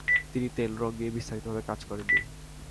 তিনি তেলরঙ নিয়ে বিস্তারিতভাবে কাজ করেন নি।